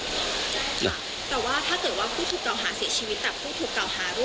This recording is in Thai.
แต่ผู้ถูกเก่าหาร่วมรายอื่นยังมีชีวิตอยู่